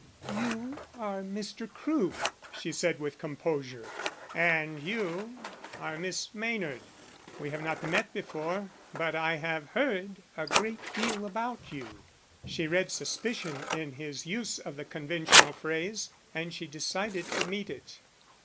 "You are Mr. Crewe," she said with composure. "And you are Miss Maynard. We have not met before, but I have heard a great deal about you." She read suspicion in his use of the conventional phrase and she decided to meet it.